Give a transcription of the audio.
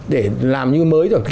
để làm những cái mới